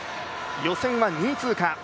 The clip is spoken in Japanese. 予選は２位通過。